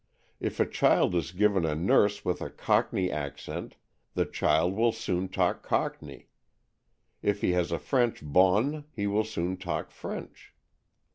If a child is given a nurse with a Cockney accent, the child will soon talk Cockney. If he has a French bonne, he will soon talk French.